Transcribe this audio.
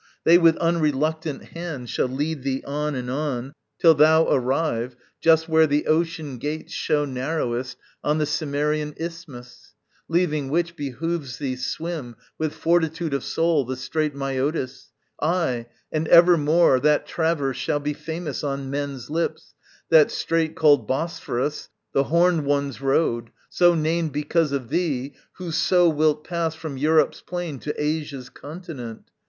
They with unreluctant hand Shall lead thee on and on, till thou arrive Just where the ocean gates show narrowest On the Cimmerian isthmus. Leaving which, Behoves thee swim with fortitude of soul The strait Mæotis. Ay, and evermore That traverse shall be famous on men's lips, That strait, called Bosphorus, the horned one's road, So named because of thee, who so wilt pass From Europe's plain to Asia's continent.